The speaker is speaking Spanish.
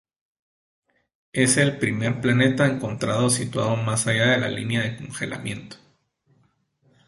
Es el primer planeta encontrado situado más allá de la línea de congelamiento.